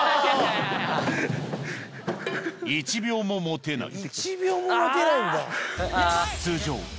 １秒も持てない。